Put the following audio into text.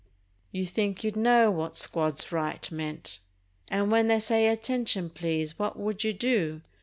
You think you'd know what "squads right" meant? And when they'd say "Attention!" Please What would you do?